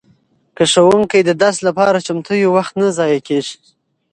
که ښوونکی د درس لپاره چمتو وي وخت نه ضایع کیږي.